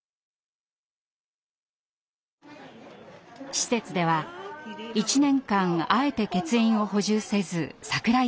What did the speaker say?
施設では１年間あえて欠員を補充せず櫻井さんを待ち続けました。